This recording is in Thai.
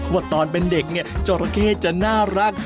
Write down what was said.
ว่าตอนเป็นเด็กป่ะที่จสแคร้น่ารัก